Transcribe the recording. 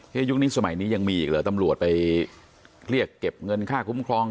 ยุคนี้สมัยนี้ยังมีอีกเหรอตำรวจไปเรียกเก็บเงินค่าคุ้มครอง